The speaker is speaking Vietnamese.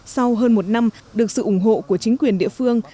sau hơn một năm được sự ủng hộ của chính quyền địa phương